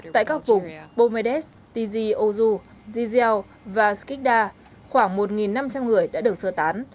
tại các vùng bomedes tizi ozu zizel và skikda khoảng một năm trăm linh người đã được sơ tán